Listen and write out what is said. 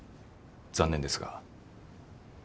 残念ですが。